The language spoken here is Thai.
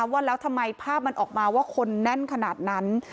ว่าแล้วทำไมภาพมันออกมาว่าคนแน่นขนาดนั้น